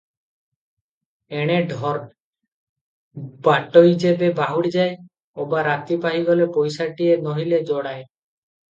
ଏଣେ ଡର, ବାଟୋଇ ଯେବେ ବାହୁଡ଼ିଯାଏ, ଅବା ରାତି ପାହିଗଲେ ପଇସାଟିଏ ନୋହିଲେ ଯୋଡ଼ାଏ ।